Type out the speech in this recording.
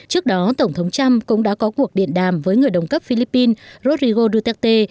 trước đó tổng thống trump cũng đã có cuộc điện đàm với người đồng cấp philippines rodrigo duterte